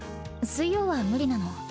水曜は無理なの。